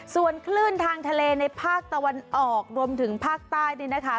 ส่วนคลื่นทางทะเลในภาคตะวันออกรวมถึงภาคใต้นี่นะคะ